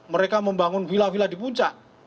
mereka membangun villa villa di puncak